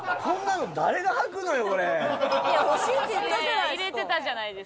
いや欲しいって言ったじゃないですか！